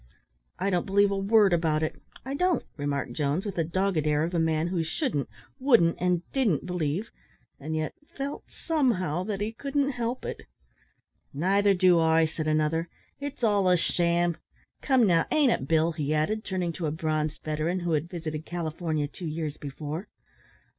"I don't believe a word about it I don't," remarked Jones, with the dogged air of a man who shouldn't, wouldn't, and didn't believe, and yet felt, somehow, that he couldn't help it. "Nother do I," said another, "It's all a sham; come, now, ain't it, Bill?" he added, turning to a bronzed veteran who had visited California two years before.